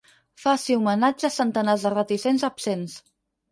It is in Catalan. Faci homenatge a centenars de reticents absents.